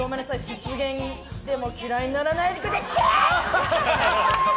失言しても嫌いにならないでくだちゃーい！